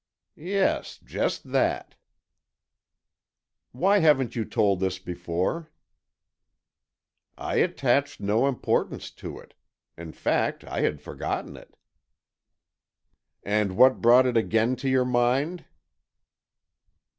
"Yes, just that." "Why haven't you told this before?" "I attached no importance to it. In fact, I had forgotten it." "And what brought it again to your mind?"